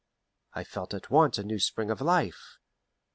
I felt at once a new spring of life.